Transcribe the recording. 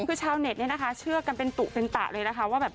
คือชาวเน็ตเนี่ยนะคะเชื่อกันเป็นตุเป็นตะเลยนะคะว่าแบบ